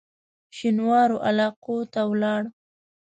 شینوارو علاقو ته ولاړ.